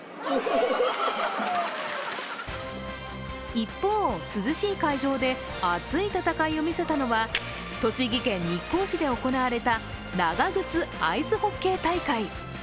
一方、涼しい会場で熱い戦いを見せたのは栃木県日光市で行われた長ぐつアイスホッケー大会。